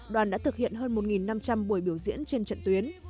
đoàn đã thực hiện hơn một năm trăm linh buổi biểu diễn trên trận tuyến